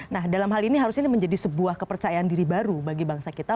nah dalam hal ini harus ini menjadi sebuah kepercayaan diri baru bagi bangsa kita